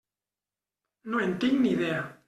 No en tinc ni idea.